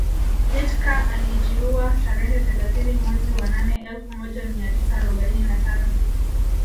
Hitker alijiua tarehe thelathini mwezi wa nne elfu moja mia tisa arobaini na tano